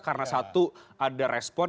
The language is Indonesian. karena satu ada respon